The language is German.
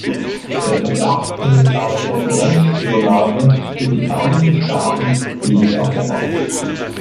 Der Verdacht illegaler Konkurrenzspionage durch die Vereinigten Staaten liegt auf der Hand.